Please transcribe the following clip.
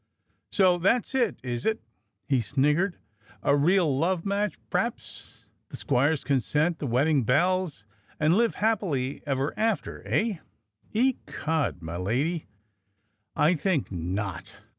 "So that's it, is it.^^" he sniggered, "a real love match, p'haps.'^ The squire's consent, the wedding bells, and live happily ever after, eh.^ Ecod! my lady, I think not.